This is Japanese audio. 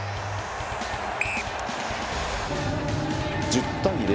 １０対０。